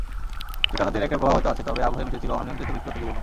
চোটাঘাতের একটা প্রভাব হয়তো আছে, তবে আবহে মিশে ছিল অনিয়ন্ত্রিত ব্যক্তিগত জীবনও।